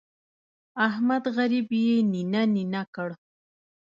احمد غريب يې نينه نينه کړ.